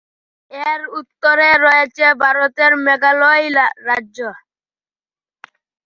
এর উত্তরে রয়েছে ভারতের মেঘালয় রাজ্য।